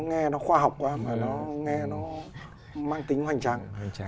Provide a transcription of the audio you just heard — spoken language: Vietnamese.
nghe nó khoa học quá mà nó mang tính hoành trang